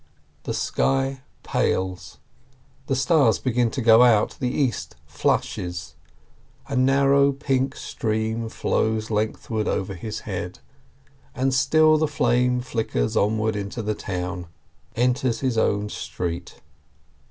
The sky pales, the stars begin to go out, the east flushes, a narrow pink stream flows lengthwise over his head, and still the flame flickers onward into the town, enters his own street.